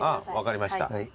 分かりました。